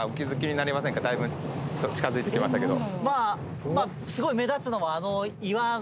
だいぶ近づいてきましたけど。